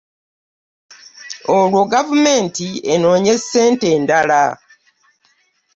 Olwo gavumenti enoonye ssente endala